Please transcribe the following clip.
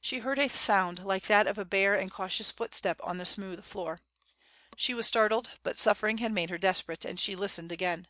She heard a sound like that of a bare and cautious footstep on the smooth floor. She was startled, but suffering had made her desperate, and she listened again.